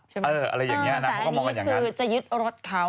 แต่อันนี้คือจะยึดรถเขา